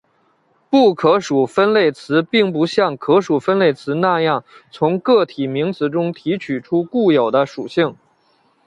不可数分类词并不像可数分类词那样从个体名词中提取出固有的属性。